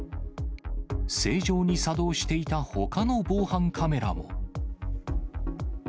正常に作動していたほかの防犯カメラも。